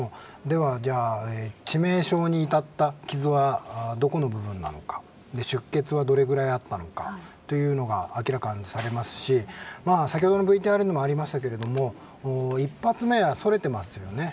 では、致命傷に至った傷はどこの部分なのか出血はどれぐらいあったのかというのが明らかにされますし先ほどのＶＴＲにもありましたが１発目はそれていますよね。